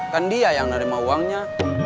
kan dia yang nerima uangnya